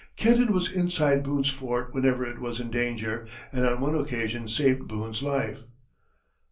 Kenton was inside Boone's fort whenever it was in danger, and on one occasion saved Boone's life.